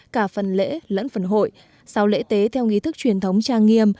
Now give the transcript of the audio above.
cả phần lễ lẫn phần hội sau lễ tế theo nghị thức truyền thống trang nghiêm